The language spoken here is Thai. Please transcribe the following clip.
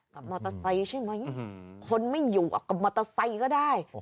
กับมอเตอร์ไซค์ใช่ไหมคนไม่อยู่กับมอเตอร์ไซค์ก็ได้